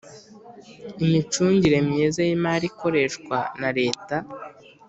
imicungire myiza y'imari ikoreshwa na leta